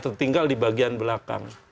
tertinggal di bagian belakang